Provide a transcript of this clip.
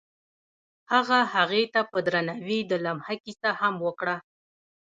هغه هغې ته په درناوي د لمحه کیسه هم وکړه.